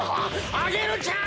アゲルちゃん